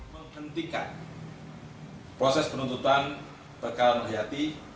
menghentikan proses penuntutan perkara nur hayati